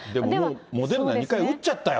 モデルナ２回打っちゃったよと。